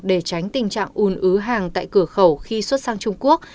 để tránh tình trạng ùn ứ hàng tại cửa khẩu khi xuất sang trung quốc